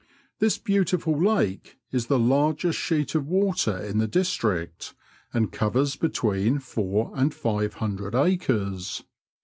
This beautiful lake is the largest sheet of water in the district, and covers between four and five hundred acres.